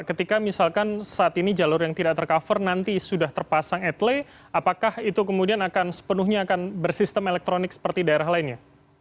ketika misalkan saat ini jalur yang tidak tercover nanti sudah terpasang etele apakah itu kemudian akan sepenuhnya akan bersistem elektronik seperti daerah lainnya